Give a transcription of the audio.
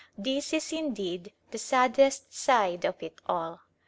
This is indeed the saddest side of it all.